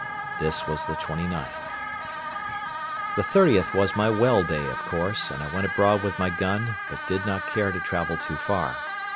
This was the 29th. The 30th was my well day, of course, and I went abroad with my gun, but did not care to travel too far.